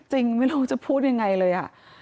จริงไม่รู้จะพูดอย่างไรเลย